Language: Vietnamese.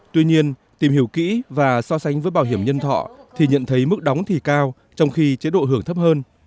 tuy nhiên tìm hiểu kỹ và so sánh với bảo hiểm nhân thọ thì nhận thấy mức đóng thì cao trong khi chế độ hưởng thấp hơn